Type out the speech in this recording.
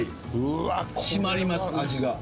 締まります味が。